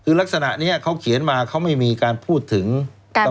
คือลักษณะนี้เขาเขียนมาเขาไม่มีการพูดถึง